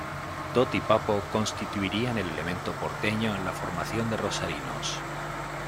Toth y Pappo constituirían el elemento "porteño" en una formación de rosarinos.